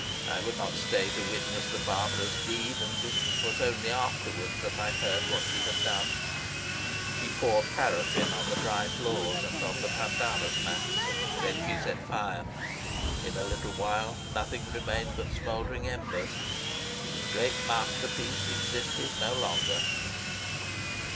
I would not stay to witness the barbarous deed, and it was only afterwards that I heard what she had done. She poured paraffin on the dry floors and on the pandanus mats, and then she set fire. In a little while nothing remained but smouldering embers, and a great masterpiece existed no longer.